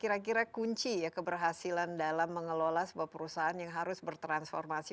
kira kira kunci ya keberhasilan dalam mengelola sebuah perusahaan yang harus bertransformasi